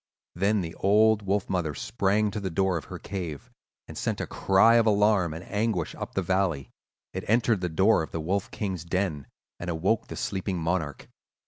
Then the old wolf mother sprang to the door of her cave and sent a cry of alarm and anguish up the valley. It entered the door of the Wolf King's den, and awoke the sleeping monarch.